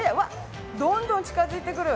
どんどん近づいてくる。